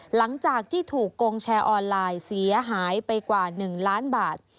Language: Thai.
หลังจากที่ถูกโกงแชร์ออนไลน์เสียหายไปกว่า๑ล้านบาท